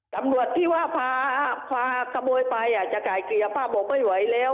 ตำรวจที่ว่าพาขโมยไปจะไก่เกลี่ยป้าบอกไม่ไหวแล้ว